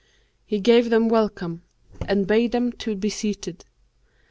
He gave them welcome and bade them be seated.